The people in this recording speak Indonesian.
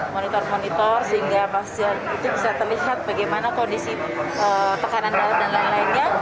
monitor monitor sehingga pasien itu bisa terlihat bagaimana kondisi tekanan darah dan lain lainnya